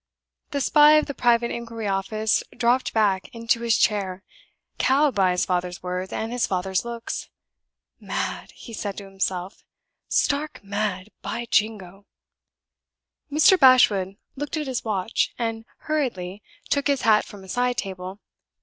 The Spy of the Private Inquiry Office dropped back into his chair, cowed by his father's words and his father's looks. "Mad!" he said to himself. "Stark mad, by jingo!" Mr. Bashwood looked at his watch, and hurriedly took his hat from a side table.